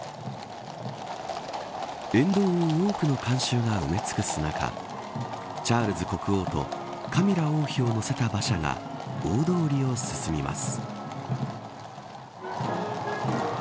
沿道を多くの観衆が埋め尽くす中チャールズ国王とカミラ王妃を乗せた馬車が大通りを進みます。